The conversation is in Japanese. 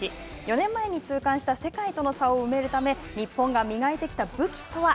４年前に痛感した世界との差を埋めるため日本が磨いてきた武器とは？